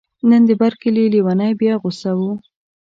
نن د بر کلي لیونی بیا غوصه و.